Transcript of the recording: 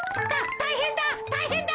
たいへんだ。